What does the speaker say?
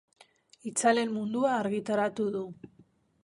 Itzalen mundua argitaratu du.